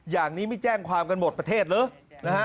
อย่างนี้ไม่แจ้งความกันหมดประเทศเหรอนะฮะ